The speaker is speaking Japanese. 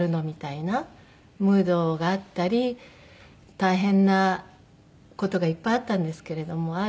みたいなムードがあったり大変な事がいっぱいあったんですけれども。